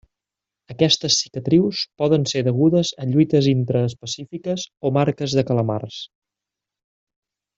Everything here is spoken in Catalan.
Aquestes cicatrius poden ser degudes a lluites intraespecífiques o marques de calamars.